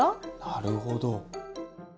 なるほど。